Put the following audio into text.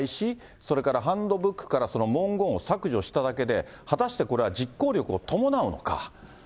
それからハンドブックからその文言を削除しただけで、果たしてこれは実行力を伴うのか。